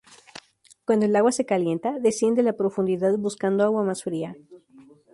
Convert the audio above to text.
Cuando el agua se calienta, desciende a la profundidad buscando agua más fría.